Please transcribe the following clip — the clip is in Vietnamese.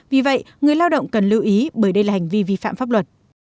vì vậy người lao động cần lưu ý bởi đây là hành vi vi phạm pháp luật